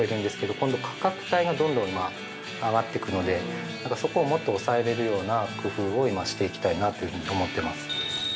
今度価格帯がどんどん上がっていくんでそこをもっと抑えれるような工夫を今していきたいなというふうに思ってます。